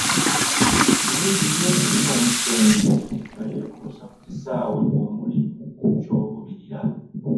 Kirungi nnyo okufuna omusembi nga yeekuusa ku kisaawe omuli ky'oluubirira.